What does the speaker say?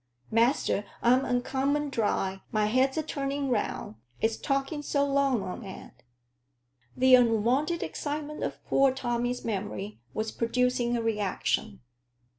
Master, I'm uncommon dry; my head's a turning round; it's talking so long on end." The unwonted excitement of poor Tommy's memory was producing a reaction.